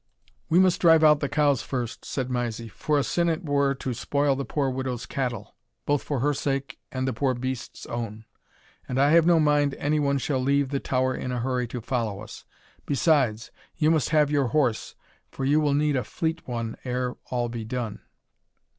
"We must drive out the cows first," said Mysie, "for a sin it were to spoil the poor widow's cattle, both for her sake and the poor beasts' own; and I have no mind any one shall leave the tower in a hurry to follow us. Besides, you must have your horse, for you will need a fleet one ere all be done."